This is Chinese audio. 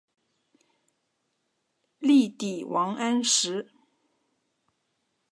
力抵王安石。